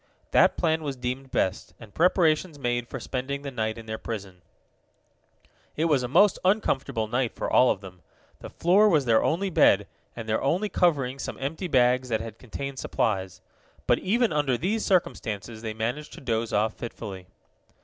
That plan was deemed best, and preparations made for spending the night in their prison. It was a most uncomfortable night for all of them. The floor was their only bed, and their only covering some empty bags that had contained supplies. But even under these circumstances they managed to doze off fitfully.